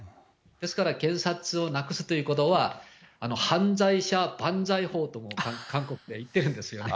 ですから、検察をなくすということは、犯罪者ばんざい法とも、韓国では言ってるんですよね。